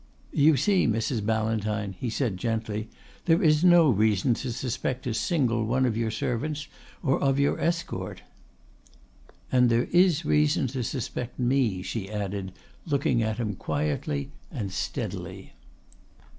"You see, Mrs. Ballantyne," he said gently, "there is no reason to suspect a single one of your servants or of your escort." "And there is reason to suspect me," she added, looking at him quietly and steadily.